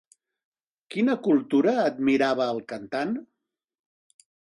Quina cultura admirava el cantant?